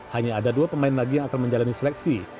hanya ada dua pemain lagi yang akan menjalani seleksi